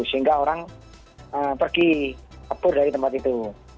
sehingga orang pergi kabur dari tempat itu